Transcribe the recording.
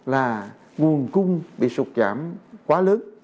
là nguồn cung bị sụt giảm quá lớn